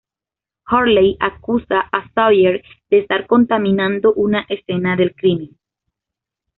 Hurley acusa a Sawyer de estar contaminando una escena del crimen.